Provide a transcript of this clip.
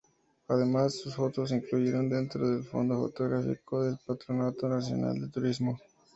Además, sus fotos se incluyeron dentro del fondo fotográfico del Patronato nacional de turismo.